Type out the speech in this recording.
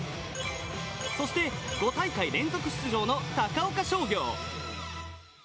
そして５大会連続出場の高岡商業。